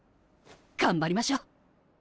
頑張りましょう。